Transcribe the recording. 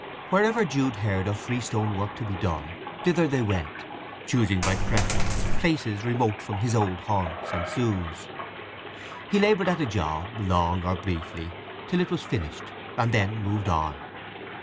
Wherever Jude heard of free stone work to be done, thither he went, choosing by preference places remote from his old haunts and Sue's. He laboured at a job, long or briefly, till it was finished; and then moved on.